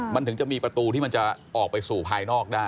มันถึงจะมีประตูที่มันจะออกไปสู่ภายนอกได้